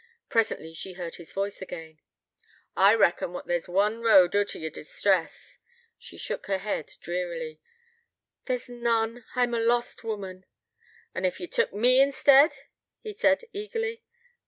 Presently she heard his voice again: 'I reckon what there's one road oot o' yer distress.' She shook her head drearily. 'There's none. I'm a lost woman.' 'An' ef ye took me instead?' he said eagerly.